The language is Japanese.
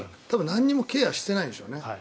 何もケアしてないんでしょうね。